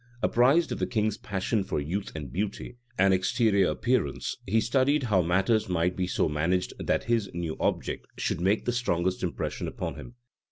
Apprised of the king's passion for youth and beauty, and exterior appearance, he studied how matters might be so managed that this new object should make the strongest impression upon him.